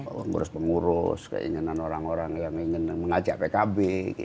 pengurus pengurus keinginan orang orang yang ingin mengajak pkb